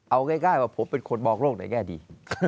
เอาง่ายว่าผมเป็นคนมองโลกในแง่ดี